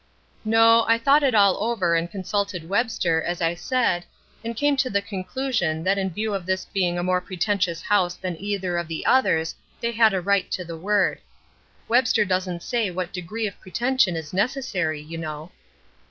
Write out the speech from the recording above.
"No. I thought it all over and consulted Webster, as I said, and came to the conclusion that in view of this being a more pretentious house than either of the others they had a right to the word. Webster doesn't say what degree of pretension is necessary, you know."